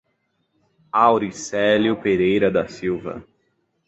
Auricelio Pereira da Silva